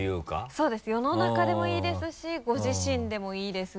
そうです世の中でもいいですしご自身でもいいですし。